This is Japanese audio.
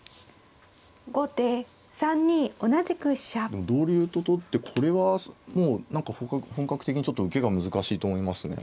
でも同竜と取ってこれはもう何か本格的にちょっと受けが難しいと思いますね。